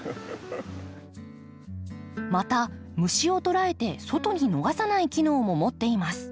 また虫を捕らえて外に逃さない機能も持っています。